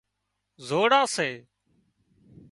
زوڙان سي